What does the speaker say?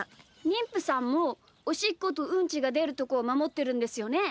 にんぷさんもおしっことうんちがでるとこをまもってるんですよね？